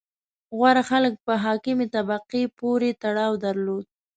• غوره خلک په حاکمې طبقې پورې تړاو درلود.